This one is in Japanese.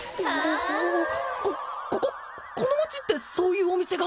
ここここの街ってそういうお店が？